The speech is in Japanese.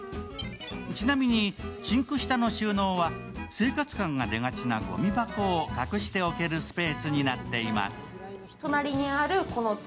ちなみにシンク下の収納は生活感が出がちなごみ箱を隠しておけるスペースになっています。